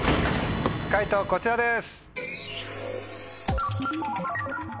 解答こちらです。